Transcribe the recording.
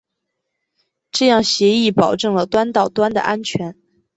这样协议保证了端到端的安全。